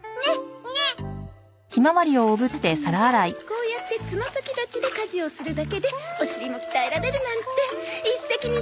フフッこうやってつま先立ちで家事をするだけでお尻もきたえられるなんて一石二鳥ね！